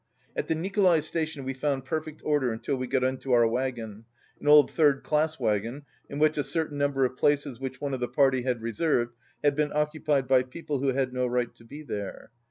At the Nikolai Station we found perfect order until we got into our wagon, an old third class wagon, in which a certain number of places which one of the party had reserved had been occupied by people who had no right to be there.